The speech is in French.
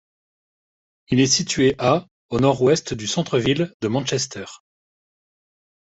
Il est situé à au nord-ouest du centre-ville de Manchester.